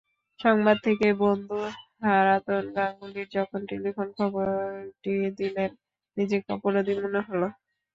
সংবাদ থেকে বন্ধু হারাধন গাঙ্গুলি যখন টেলিফোনে খবরটি দিলেন, নিজেকে অপরাধী মনে হলো।